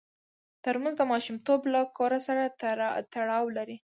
ترموز د ماشومتوب له کور سره تړاو لري.